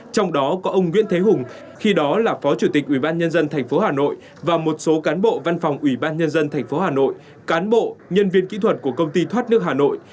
trong đó có ông nguyễn thế hùng khi đó là phó chủ tịch ubnd tp hà nội và một số cán bộ văn phòng ủy ban nhân dân tp hà nội cán bộ nhân viên kỹ thuật của công ty thoát nước hà nội